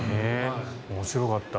面白かった。